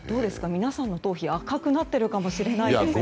皆さんの頭皮赤くなっているかもしれません。